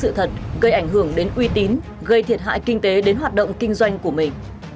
sự thật gây ảnh hưởng đến uy tín gây thiệt hại kinh tế đến hoạt động kinh doanh của mình